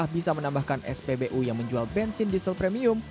bisa menambahkan spbu yang menjual bensin diesel premium